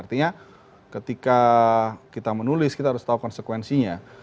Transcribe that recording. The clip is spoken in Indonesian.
artinya ketika kita menulis kita harus tahu konsekuensinya